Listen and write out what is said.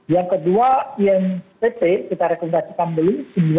yang kedua intp kita rekomendasikan beli